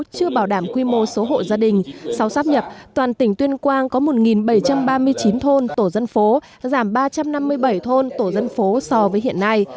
chưa bảo đảm quy mô số hộ gia đình sau sắp nhập toàn tỉnh tuyên quang có một bảy trăm ba mươi chín thôn tổ dân phố giảm ba trăm năm mươi bảy thôn tổ dân phố so với hiện nay